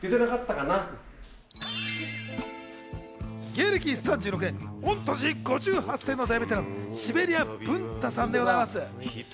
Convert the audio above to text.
芸歴３６年、御年５８歳の大ベテラン、シベリア文太さんでございます。